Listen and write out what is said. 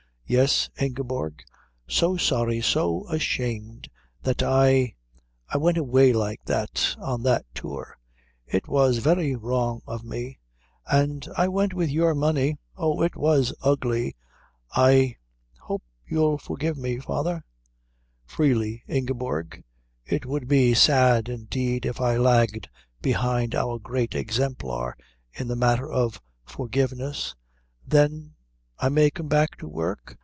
"Yes, Ingeborg?" "So sorry, so ashamed that I I went away like that on that tour. It was very wrong of me. And I went with your money. Oh, it was ugly. I hope you'll forgive me, father?" "Freely, Ingeborg. It would be sad indeed if I lagged behind our Great Exemplar in the matter of forgiveness." "Then I may come back to work?"